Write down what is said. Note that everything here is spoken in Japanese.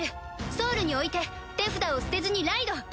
ソウルに置いて手札を捨てずにライド！